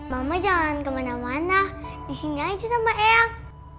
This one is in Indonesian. mama jangan kemana mana disini aja sama eyang